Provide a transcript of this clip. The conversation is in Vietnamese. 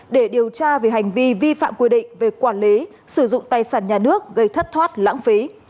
để điều tra về hành vi vi phạm quy định về quản lý sử dụng tài sản nhà nước gây thất thoát lãng phí